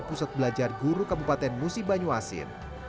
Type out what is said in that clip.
pusat belajar guru kabupaten musi banyuasin